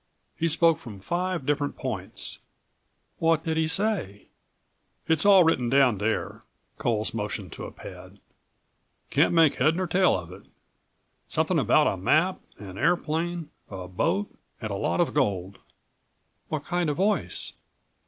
He spoke from five different points." "What did he say?" "It's all written down there," Coles motioned48 to a pad. "Can't make head nor tail to it. Something about a map, an airplane, a boat and a lot of gold." "What kind of voice?"